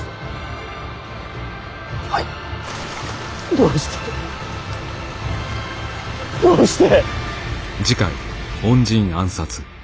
どうしてどうして。